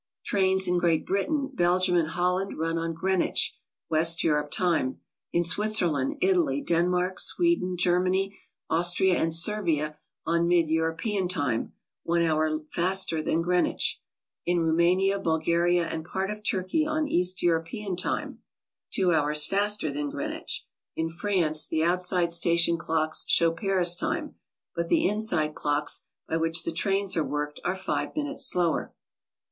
Trains in Great Britain, Belgium and Holland run on Greenwich (West Europe) time; in Switzerland, Italy, Den mark, Sweden, Germany, Austria and Servia on mid European time, one hour faster than Greenwich; in Rouma nia, Bulgaria and part of Turkey on east European time, two hours faster than Greenwich; in France the outside station clocks show Paris time, but the inside clocks, by which the trains are worked, are five minutes, slower.